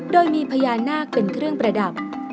โดยมีพญานาคเป็นเครื่องประดับ